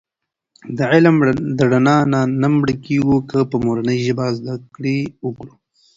د علم د رڼا نه مړکېږو که په مورنۍ ژبه زده کړه وکړو.